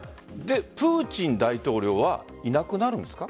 プーチン大統領はいなくなるんですか？